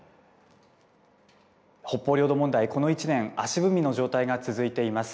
北方領土問題、この１年、足踏みの状態が続いています。